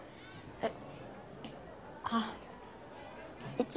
えっ？